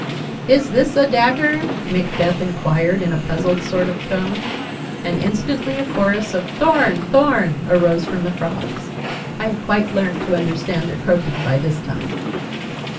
"Is this a dagger?" Macbeth inquired, in a puzzled sort of tone: and instantly a chorus of "Thorn! Thorn!" arose from the Frogs (I had quite learned to understand their croaking by this time).